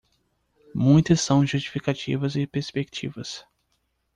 Muitas são justificativas e perspectivas.